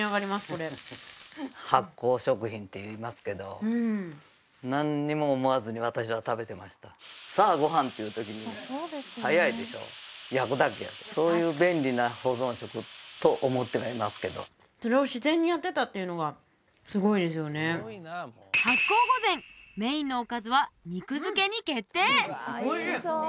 これ発酵食品っていいますけど何にも思わずに私は食べてましたさあご飯っていう時に早いでしょ焼くだけやでそういう便利な保存食と思ってはいますけどそれを自然にやってたっていうのがすごいですよねに決定！